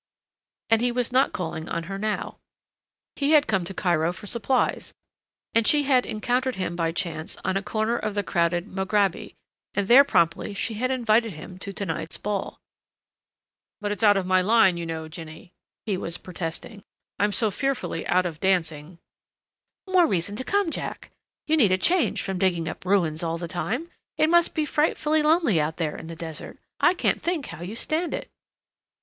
And he was not calling on her now. He had come to Cairo for supplies and she had encountered him by chance upon a corner of the crowded Mograby, and there promptly she had invited him to to night's ball. "But it's not my line, you know, Jinny," he was protesting. "I'm so fearfully out of dancing " "More reason to come, Jack. You need a change from digging up ruins all the time it must be frightfully lonely out there on the desert. I can't think how you stand it."